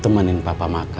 temenin papa makan